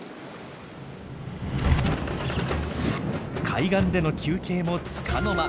海岸での休憩もつかの間。